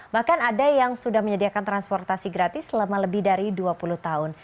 bahkan ada yang sudah menyediakan transportasi gratis selama lebih dari dua puluh tahun